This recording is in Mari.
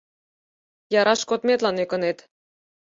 Яраш кодметлан ӧкынет.